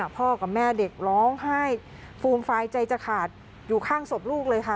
พ่อกับแม่เด็กร้องไห้ฟูมฟายใจจะขาดอยู่ข้างศพลูกเลยค่ะ